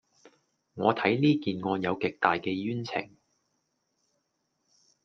我睇呢件案有極大嘅冤情